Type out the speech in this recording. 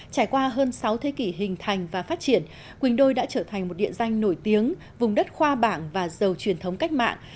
trải qua hơn sáu thế kỷ hình thành và phát triển quỳnh đôi đã trở thành một địa danh nổi tiếng vùng đất khoa bảng và giàu truyền thống cách mạng